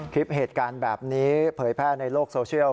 คลิปเหตุการณ์แบบนี้เผยแพร่ในโลกโซเชียล